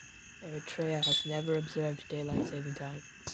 Eritrea has never observed daylight saving time.